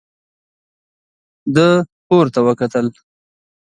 ده پورته وکتل.